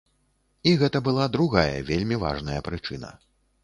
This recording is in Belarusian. І гэта была другая, вельмі важная прычына.